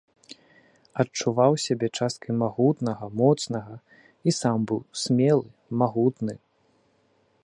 Адчуваў сябе часткай магутнага, моцнага і сам быў смелы, магутны.